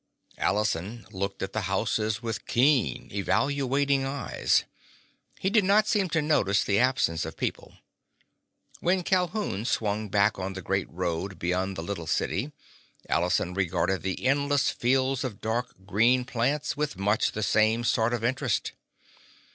Allison looked at the houses with keen, evaluating eyes. He did not seem to notice the absence of people. When Calhoun swung back on the great road beyond the little city, Allison regarded the endless fields of dark green plants with much the same sort of interest.